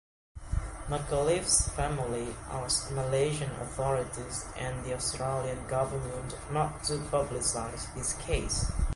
McAuliffe's family asked Malaysian authorities and the Australian government not to publicise his case.